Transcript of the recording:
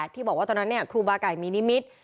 ที่บอกว่าตอนนั้นครูบาไก่มีนิมิตร